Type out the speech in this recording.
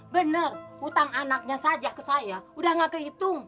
benar utang anaknya saja ke saya udah gak kehitung